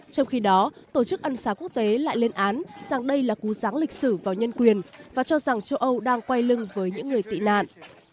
trong khi đó tổ chức ân xá quốc tế lại lên án rằng đây là cú ráng lịch sử vào nhân quyền và cho rằng châu âu đang quay lưng với những người tị nạn